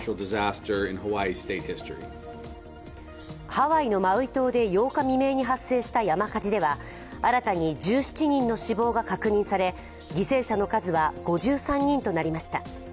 ハワイのマウイ島で８日未明に発生した山火事では新たに１７人の死亡が確認され犠牲者の数は５３人となりました。